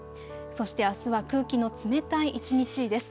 そしてあすは空気の冷たい一日です。